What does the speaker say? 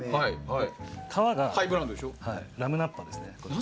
革がラムナッパですね。